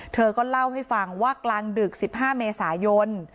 เธอก็เล่าให้ฟังว่ากลางดึก๑๕เมษายน